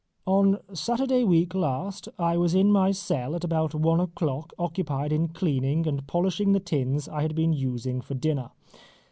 On Saturday week last, I was in my cell at about one o'clock occupied in cleaning and polishing the tins I had been using for dinner.